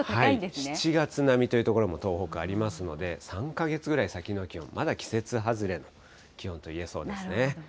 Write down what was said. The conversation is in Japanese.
７月並みという所も東北、ありますので、３か月ぐらい先の気温、まだ季節外れの気温といえそうですね。